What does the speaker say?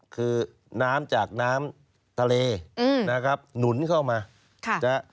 คือน้ำจากน้ำทะเลหนุนเข้ามา